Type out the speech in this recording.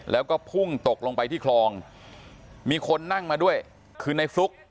แล้วก็พุ่งตกลงไปที่คลองมีคนนั่งมาด้วยคือในฟลุ๊ก